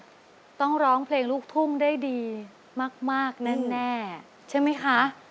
ต้องร้องเพลงลูกทุ่งได้ดีมากแน่ใช่ไหมคะ